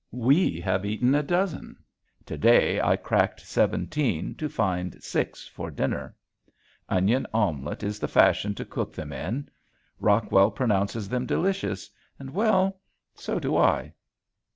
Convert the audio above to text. We have eaten a dozen. To day I cracked seventeen to find six for dinner. Onion omelette is the fashion to cook them in. Rockwell pronounces them delicious and well so do I.